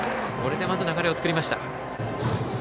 これで、まず流れを作りました。